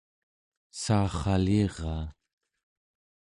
saarraliraa